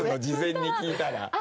事前に聞いたら。